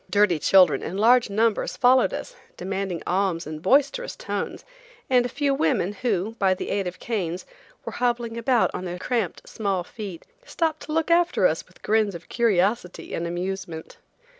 Dirty children in large numbers followed us, demanding alms in boisterous tones, and a few women who, by the aid of canes, were hobbling about on their cramped small feet, stopped to look after us with grins of curiosity and amusement.